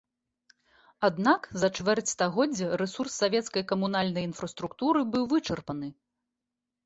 Аднак за чвэрць стагоддзя рэсурс савецкай камунальнай інфраструктуры быў вычарпаны.